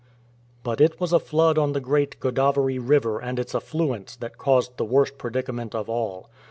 But it was a flood on the great Godavery river and its affluents that caused the worst predicament of all.